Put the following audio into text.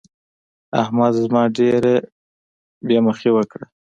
احمد زما ډېره بې مخي وکړه.